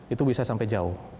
itu bisa sampai jauh